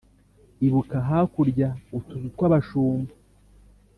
Ibuka hakurya-Utuzu tw'abashumba.